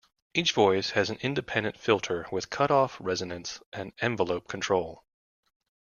Each voice has an independent filter with cutoff, resonance, and envelope control.